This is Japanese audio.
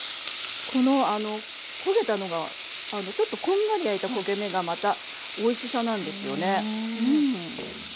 この焦げたのがちょっとこんがり焼いた焦げ目がまたおいしさなんですよね。